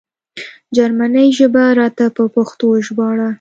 جرمنۍ ژبه راته په پښتو وژباړه